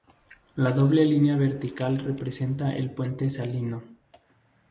La doble línea vertical representa el puente salino.